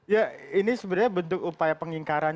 ya ini sebenarnya bentuk upaya pengingkaran